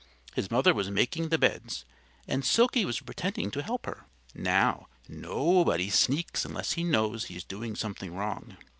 His mother was making the beds, and Silkie was pretending to help her. Now, nobody sneaks unless he knows he is doing something wrong.